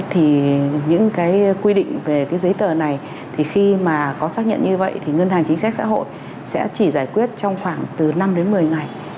thì những cái quy định về cái giấy tờ này thì khi mà có xác nhận như vậy thì ngân hàng chính sách xã hội sẽ chỉ giải quyết trong khoảng từ năm đến một mươi ngày